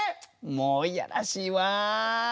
もう嫌らしいわ。